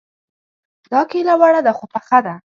دا کيله وړه ده خو پخه ده